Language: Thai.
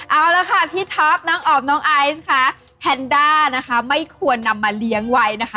เอาละค่ะพี่ท็อปน้องออมน้องไอซ์ค่ะแพนด้านะคะไม่ควรนำมาเลี้ยงไว้นะคะ